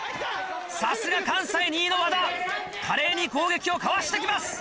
さすが関西２位の和田華麗に攻撃をかわして来ます。